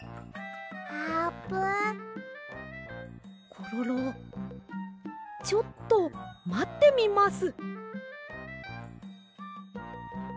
コロロちょっとまってみます。